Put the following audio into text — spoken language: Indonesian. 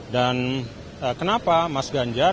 dan kenapa mas ganjar